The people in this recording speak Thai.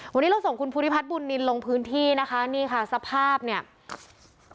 วันนี้เราส่งคุณภูริพัฒนบุญนินลงพื้นที่นะคะนี่ค่ะสภาพเนี่ย